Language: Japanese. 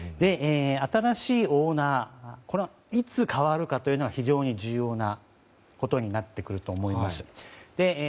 新しいオーナーにいつ代わるのかというのが非常に重要なことになってくると思います。